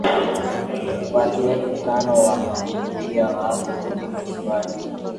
watu elfu tano wakahudhuria hawakurudi majumbani